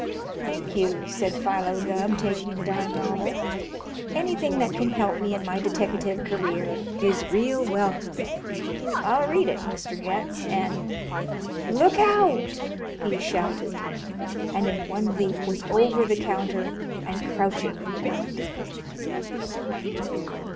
"Thank you," said Philo Gubb, taking the dime novel. "Anything that can help me in my deteckative career is real welcome. I'll read it, Mr. Getz, and Look out!" he shouted, and in one leap was over the counter and crouching behind it.